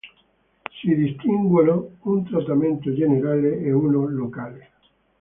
Si distinguono un trattamento generale e uno locale.